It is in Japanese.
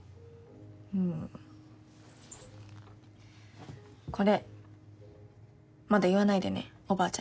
うんこれまだ言わないでねおばあちゃんに。